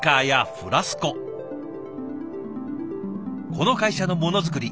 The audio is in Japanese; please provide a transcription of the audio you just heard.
この会社のものづくり